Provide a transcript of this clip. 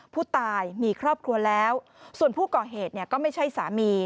ผู้ตายมีครอบครัวแล้วส่วนผู้ก่อเหตุเนี่ยก็ไม่ใช่สามี